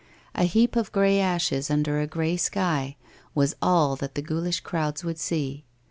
A heap of grey ashes under a grey sky, was all that the ghoulish crowds would see.